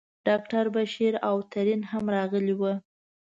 ډاکټر بشیر او ترین هم راغلي ول.